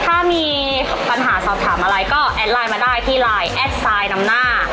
ถ้ามีปัญหาสอบถามอะไรก็แอดไลน์มาได้ที่ไลน์แอดไลน์นำหน้า